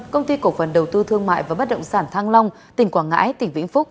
công ty cổ phần đầu tư thương mại và bất động sản thăng long tỉnh quảng ngãi tỉnh vĩnh phúc